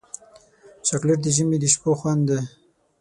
چاکلېټ د ژمي د شپو خوند دی.